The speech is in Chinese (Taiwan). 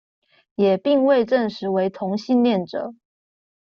也並未證實為同性戀者